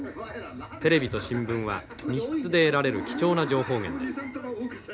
テレビと新聞は密室で得られる貴重な情報源です。